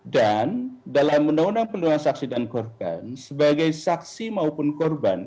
dan dalam undang undang pendudukan saksi dan korban sebagai saksi maupun korban